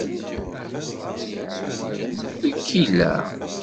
Wi k-illa?